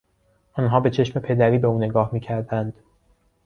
آنها به چشم پدری به او نگاه میکردند.